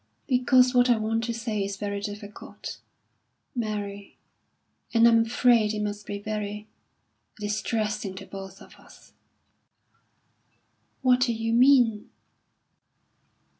"Because what I want to say is very difficult, Mary; and I'm afraid it must be very distressing to both of us." "What do you mean?"